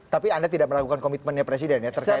tapi anda tidak meragukan komitmennya presiden ya terkait